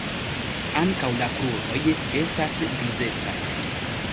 Ankaŭ la kruroj estas grizecaj.